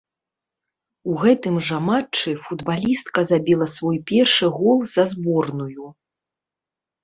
У гэтым жа матчы футбалістка забіла свой першы гол за зборную.